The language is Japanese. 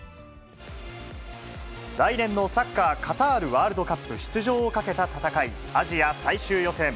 来年のサッカーカタールワールドカップ出場をかけた戦い、アジア最終予選。